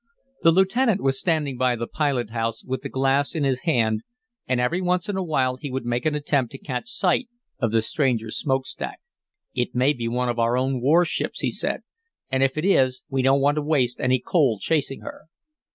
The lieutenant was standing by the pilot house with the glass in his hand, and every once in a while he would make an attempt to catch sight of the stranger's smokestack. "It may be one of our own warships," he said, "and if it is we don't want to waste any coal chasing her."